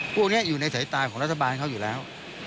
พวกนี้อยู่ในสายตาของรัฐบาลเขาอยู่แล้ว